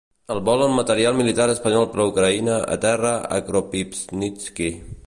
El vol amb material militar espanyol per a Ucraïna aterra a Kropivnitski.